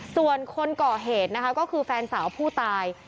ส่วนคนก่อเหตุนะคะก็คือแฟนสาวผู้ตาย